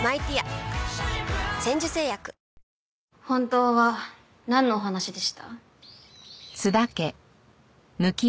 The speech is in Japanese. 本当はなんのお話でした？